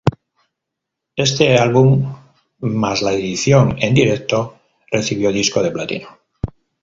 Este álbum, más la edición en directo, recibió disco de platino.